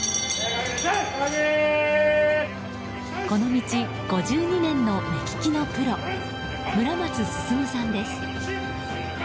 この道５２年の目利きのプロ村松さんです。